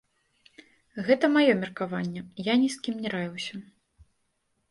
Гэта маё меркаванне, я ні з кім не раіўся.